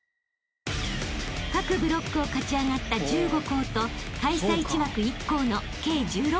［各ブロックを勝ち上がった１５校と開催地枠１校の計１６校が出場］